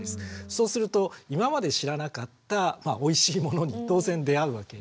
そうすると今まで知らなかったおいしいものに当然出会うわけです。